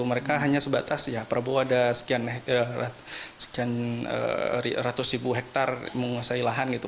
mereka hanya sebatas ya prabowo ada sekian ratus ribu hektare menguasai lahan gitu